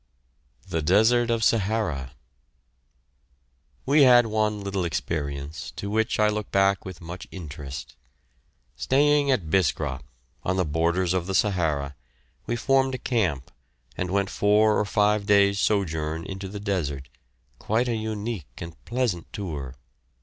THE DESERT OF SAHARA. We had one little experience, to which I look back with much interest. Staying at Biskra, on the borders of the Sahara, we formed a camp and went four or five days' sojourn into the desert, quite a unique and pleasant tour.